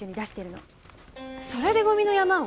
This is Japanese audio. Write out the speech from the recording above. それでゴミの山を？